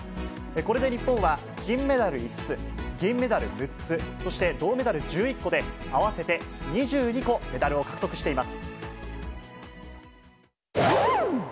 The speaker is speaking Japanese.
これで日本は、金メダル５つ、銀メダル６つ、そして銅メダル１１個で、合わせて２２個メダルを獲得しています。